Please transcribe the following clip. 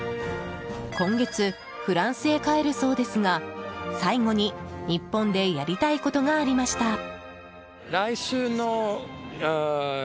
今月、フランスへ帰るそうですが最後に日本でやりたいことがありました。